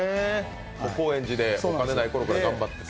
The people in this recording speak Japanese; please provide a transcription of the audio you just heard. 高円寺でお金ないときに頑張ってた。